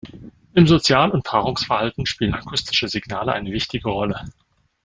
Im Sozial- und Paarungsverhalten spielen akustische Signale eine wichtige Rolle.